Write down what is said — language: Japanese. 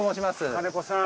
金子さん？